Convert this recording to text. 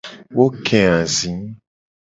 Wo ke azi.